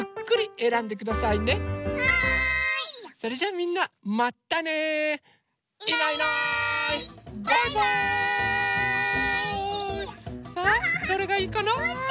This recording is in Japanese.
さあどれがいいかな？